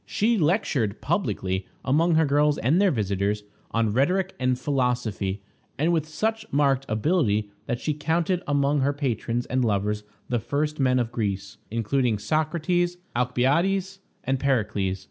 She lectured publicly, among her girls and their visitors, on rhetoric and philosophy, and with such marked ability that she counted among her patrons and lovers the first men of Greece, including Socrates, Alcibiades, and Pericles.